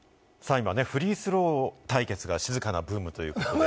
今ね、フリースロー対決が静かなブームということで。